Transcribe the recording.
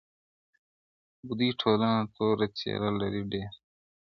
بدوي ټولنه توره څېره لري ډېر,